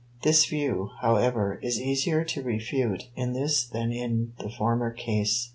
This view, however, is easier to refute in this than in the former case.